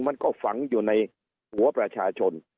มันก็ฝังอยู่ในหัวประชาชน